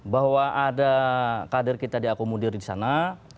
bahwa ada kader kita diakomodir di sana